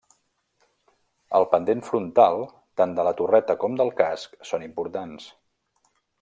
El pendent frontal, tant de la torreta com del casc, són importants.